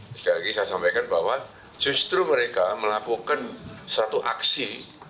sekali lagi saya sampaikan bahwa justru mereka melakukan satu aksi